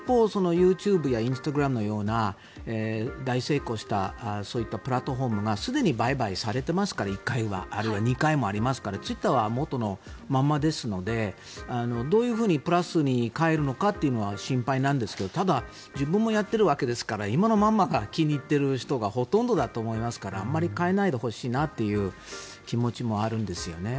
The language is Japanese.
一方、ＹｏｕＴｕｂｅやインスタグラムのような大成功したそういったプラットフォームがすでに売買されていますから１回はあるいは２回もありますからツイッターはもとのまんまですのでどうプラスに変えるのかというのは心配なんですけどただ、自分もやっているわけですから今のままを気に入っている人がほとんどだと思いますからあまり変えないでほしいなという気持ちもあるんですよね。